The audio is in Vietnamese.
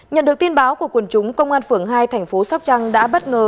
nhận được tin báo của quần chúng công an phường hai thành phố sóc trăng đã bất ngờ